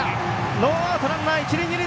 ノーアウトランナー、一塁二塁。